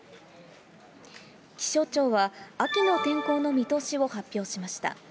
気象庁は秋の天候の見通しを発表しました。